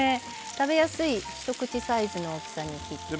食べやすい一口サイズの大きさに切って。